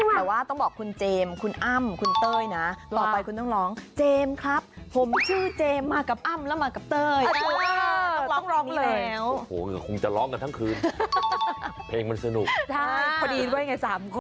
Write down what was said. แต่เราต้องบอกคุณเจมส์คุณอ้ำคุณเตยนะ